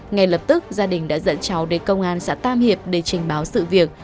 ngay lập tức gia đình đã dẫn cháu đến công an xã tam hiệp để trình báo sự việc